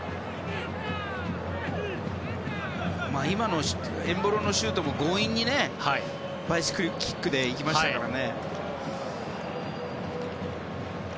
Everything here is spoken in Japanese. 今のエンボロのシュートも強引にバイシクルキックで行きましたからね。